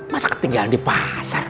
masa ketinggalan di pasar